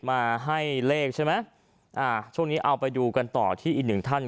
มาให้เลขใช่ไหมอ่าช่วงนี้เอาไปดูกันต่อที่อีกหนึ่งท่าน